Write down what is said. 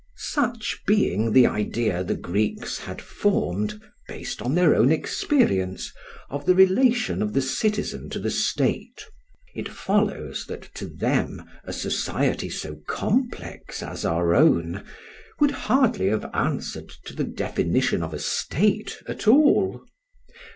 Such being the idea the Greeks had formed, based on their own experience, of the relation of the citizen to the state, it follows that to them a society so complex as our own would hardly have answered to the definition of a state at all.